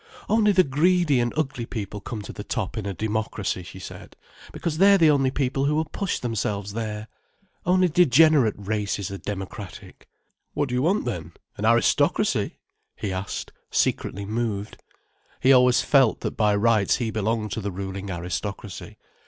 "Only the greedy and ugly people come to the top in a democracy," she said, "because they're the only people who will push themselves there. Only degenerate races are democratic." "What do you want then—an aristocracy?" he asked, secretly moved. He always felt that by rights he belonged to the ruling aristocracy.